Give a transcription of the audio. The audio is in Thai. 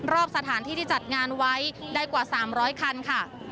รอบสถานที่ที่จัดงานไว้ได้กว่า๓๐๐คันค่ะ